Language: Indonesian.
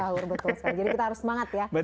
lagi sahur betul jadi kita harus semangat ya